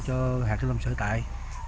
cho hạc thế lâm sở tại